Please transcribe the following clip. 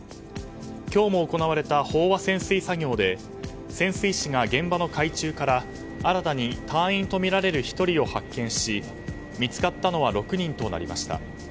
今日も行われた飽和潜水作業で潜水士が現場の海中から新たに隊員とみられる１人を発見し見つかったのは６人となりました。